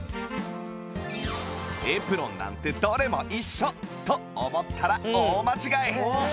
エプロンなんてどれも一緒と思ったら大間違い！